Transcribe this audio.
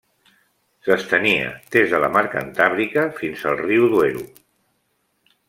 S'estenia des de la Mar Cantàbrica fins al riu Duero.